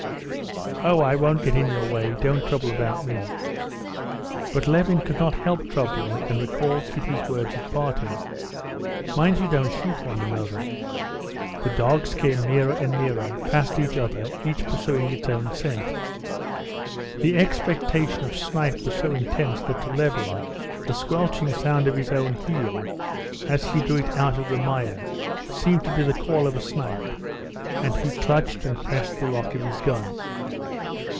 "Oh, I won't get in your way, don't trouble about me." But Levin could not help troubling, and recalled Kitty's words at parting: "Mind you don't shoot one another." The dogs came nearer and nearer, passed each other, each pursuing its own scent. The expectation of snipe was so intense that to Levin the squelching sound of his own heel, as he drew it up out of the mire, seemed to be the call of a snipe, and he clutched and pressed the lock of his gun.